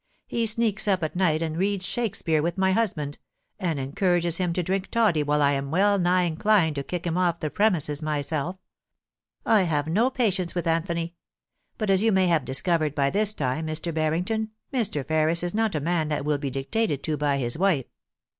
He sneaks up at night, and reads Shakespeare with my husband, and en courages him to drink toddy till I am well nigh inclined to kick him off the premises myself. I have no patience with Anthony ; but as you may have discovered by this time, Mr. Bartington, Mr. Ferris is not a man that will be dictated to by his wife.'